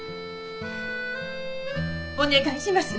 お願いします。